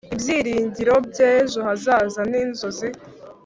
ibyiringiro by'ejo hazaza n'inzozi